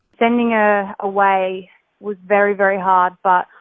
mengirimnya kembali sangat sulit